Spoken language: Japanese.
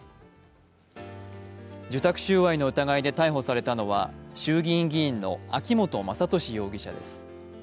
受託収賄の疑いで逮捕されたのは衆議院議員の秋本真利容疑者です。